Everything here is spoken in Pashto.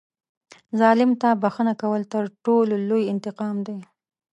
ظالم ته بښنه کول تر ټولو لوی انتقام دی.